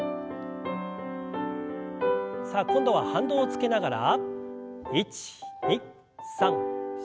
さあ今度は反動をつけながら。